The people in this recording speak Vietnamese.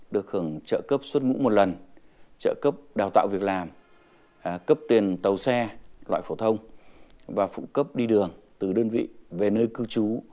được hưởng trợ cấp xuất ngũ một lần trợ cấp đào tạo việc làm cấp tiền tàu xe loại phổ thông và phụ cấp đi đường từ đơn vị về nơi cư trú